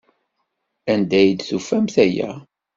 Anda ay d-tufamt aya?